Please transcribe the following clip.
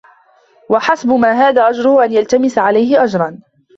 وَحَسْبُ مَنْ هَذَا أَجْرُهُ أَنْ يَلْتَمِسَ عَلَيْهِ أَجْرًا